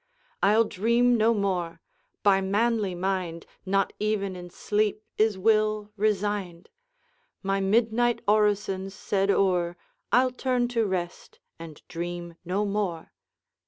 I'll dream no more, by manly mind Not even in sleep is will resigned. My midnight orisons said o'er, I'll turn to rest, and dream no more.'